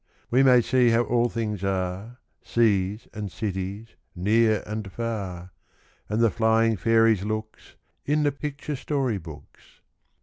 We may see how all things are, Seas and cities, near and far, And the flying fairies' looks, In the picture story books.